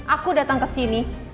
aku datang kesini